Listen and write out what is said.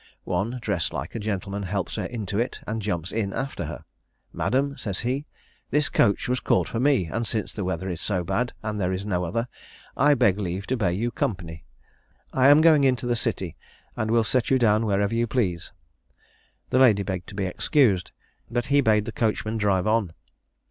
One dressed like a gentleman helps her into it, and jumps in after her. 'Madam,' says he, 'this coach was called for me, and since the weather is so bad, and there is no other, I beg leave to bear you company. I am going into the city, and will set you down wherever you please.' The lady begged to be excused; but he bade the coachman drive on.